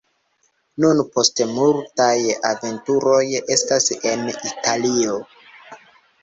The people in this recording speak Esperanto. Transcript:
Nun post multaj aventuroj estas en Italio.